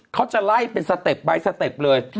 เขาจะไล่เป็นสเต็ปใบสเต็ปเลย